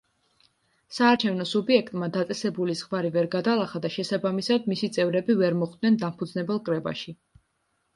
საარჩევნო სუბიექტმა დაწესებული ზღვარი ვერ გადალახა და შესაბამისად მისი წევრები ვერ მოხვდნენ დამფუძნებელ კრებაში.